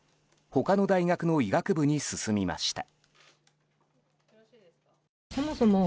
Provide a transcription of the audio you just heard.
他の大学の医学部に進みました。